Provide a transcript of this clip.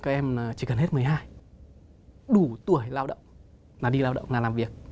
các em chỉ cần hết một mươi hai đủ tuổi lao động là đi lao động là làm việc